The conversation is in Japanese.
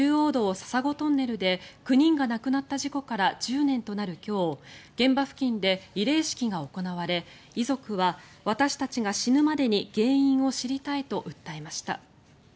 笹子トンネルで９人が亡くなった事故から１０年となる今日現場付近で慰霊式が行われ遺族は私たちが死ぬまでに原因を知りたいと訴えました。